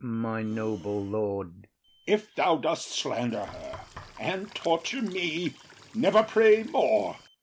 IAGO. My noble lord,— OTHELLO. If thou dost slander her and torture me, Never pray more.